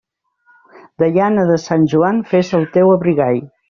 De llana de Sant Joan fes el teu abrigall.